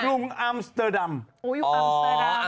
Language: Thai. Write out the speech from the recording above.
กรุงอัมสเตอร์ดำ